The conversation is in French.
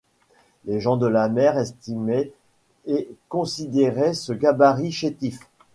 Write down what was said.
Les gens de mer estimaient et considéraient ce gabarit chétif.